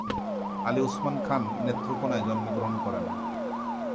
আলী ওসমান খান নেত্রকোণায় জন্মগ্রহণ করেন।